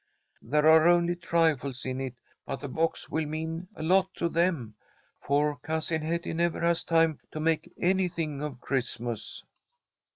There are only trifles in it, but the box will mean a lot to them, for Cousin Hetty never has time to make anything of Christmas."